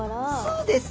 そうです。